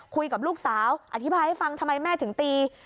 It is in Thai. คุยกับลูกสาวอธิบายให้ฟังทำไมแม่ถึงตี